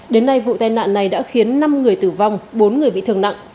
đến nay vụ tai nạn này đã khiến năm người tử vong bốn người bị thương nặng